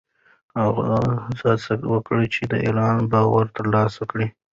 هغه هڅه وکړه چې د ایران باور ترلاسه کړي.